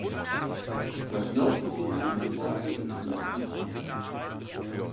Das nördliche Nebengebäude besteht nicht mehr.